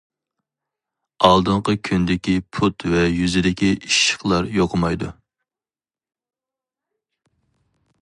ئالدىنقى كۈندىكى پۇت ۋە يۈزىدىكى ئىششىقلار يوقىمايدۇ.